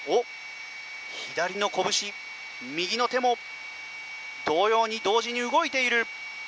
左のこぶし、右の手も同様に、同時に動いている。